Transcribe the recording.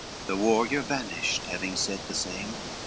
The warrior vanished having said the same.